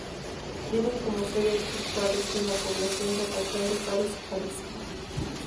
Tiene como sede el Club Juárez en la población de Acatlán de Juárez, Jalisco.